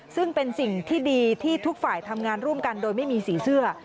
ซึ่งเป็นสิ่งที่ดีที่ทุกฝ่ายทำงานร่วมกันโดยไม่มีสีเสื้อ